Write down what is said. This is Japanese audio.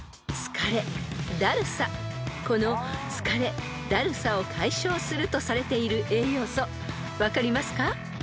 ［この疲れ・だるさを解消するとされている栄養素分かりますか？］